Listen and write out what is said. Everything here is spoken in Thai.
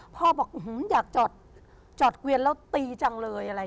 พ่อบอกอยากจอดเกวียนแล้วตีจังเลยอะไร